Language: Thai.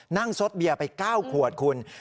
นั่งส้อตเบียร์ไป๙ขวดคุณ